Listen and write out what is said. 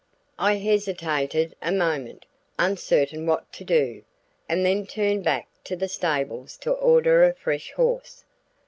I hesitated a moment, uncertain what to do, and then turned back to the stables to order a fresh horse.